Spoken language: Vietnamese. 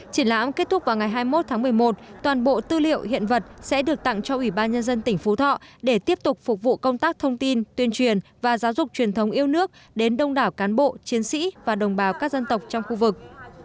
triển lãm kết thúc vào ngày hai mươi một tháng một mươi một toàn bộ tư liệu hiện vật sẽ được tặng cho ủy ban nhân dân tỉnh phú thọ để tiếp tục phục vụ công tác thông tin tuyên truyền và giáo dục truyền thống yêu nước đến đông đảo cán bộ chiến sĩ và đồng bào các dân tộc trong khu vực